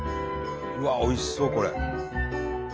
うわっおいしそうこれ。